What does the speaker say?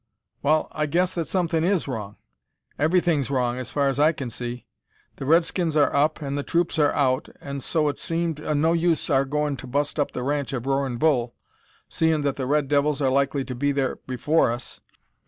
"Wall, I guess that somethin' is wrong. Everything's wrong, as far as I can see. The Redskins are up, an' the troops are out, an' so it seemed o' no use our goin' to bust up the ranch of Roarin' Bull, seein' that the red devils are likely to be there before us.